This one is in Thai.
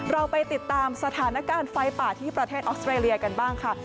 เราไปติดตามสถานการณ์ไฟป่าที่ประเทศออสเตรเลียกันบ้างค่ะ